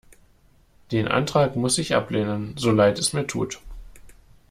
Den Antrag muss ich ablehnen, so leid es mir tut.